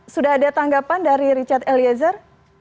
sudah ada tanggapan dari richard eliezer